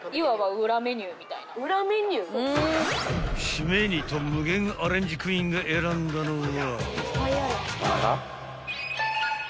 ［締めにと無限アレンジクイーンが選んだのは］